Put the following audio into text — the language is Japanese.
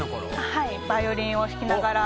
はいバイオリンを弾きながら。